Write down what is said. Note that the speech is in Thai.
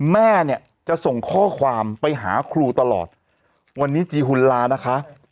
แม่เนี่ยจะส่งข้อความไปหาครูตลอดวันนี้จีหุ่นลานะคะ